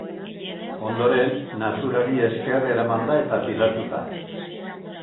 Ondoren naturari esker eramanda eta pilatuta.